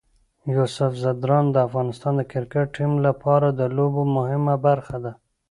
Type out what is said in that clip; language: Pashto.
یوسف ځدراڼ د افغانستان د کرکټ ټیم لپاره د لوبو مهمه برخه ده.